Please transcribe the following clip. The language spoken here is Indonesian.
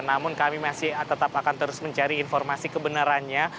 namun kami masih tetap akan terus mencari informasi kebenarannya